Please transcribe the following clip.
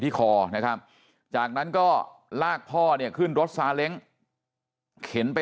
คอนะครับจากนั้นก็ลากพ่อเนี่ยขึ้นรถซาเล้งเข็นไป